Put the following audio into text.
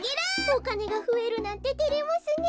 おかねがふえるなんててれますねえ。